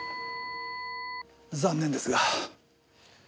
残念ですが。